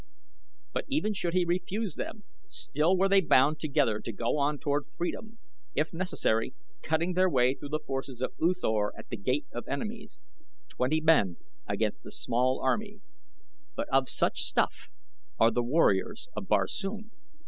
But even should he refuse them, still were they bound together to go on toward freedom, if necessary cutting their way through the forces of U Thor at The Gate of Enemies twenty men against a small army; but of such stuff are the warriors of Barsoom.